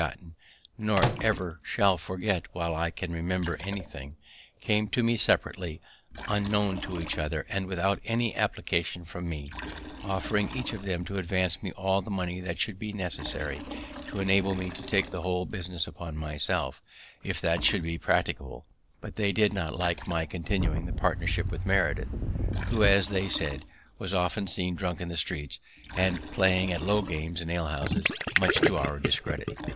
In this distress two true friends, whose kindness I have never forgotten, nor ever shall forget while I can remember any thing, came to me separately, unknown to each other, and, without any application from me, offering each of them to advance me all the money that should be necessary to enable me to take the whole business upon myself, if that should be practicable; but they did not like my continuing the partnership with Meredith, who, as they said, was often seen drunk in the streets, and playing at low games in alehouses, much to our discredit.